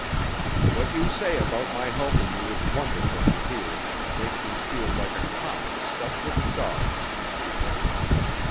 "What you say about my helping you is wonderful to hear, and makes me feel like a comet stuffed with stars," he wrote.